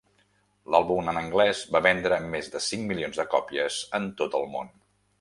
L'àlbum en anglès va vendre més de cinc milions de còpies en tot el món.